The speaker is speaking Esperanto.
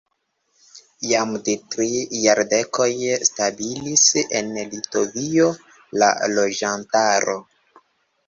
Jam de tri jardekoj stabilis en Litovio la loĝantaro.